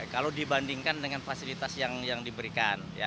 kalau dibandingkan dengan fasilitas yang diberikan